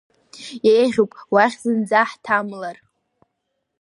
Еиӷьуп уахь зынӡа ҳҭамлар!